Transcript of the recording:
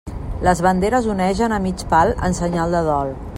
Les banderes onegen a mig pal en senyal de dol.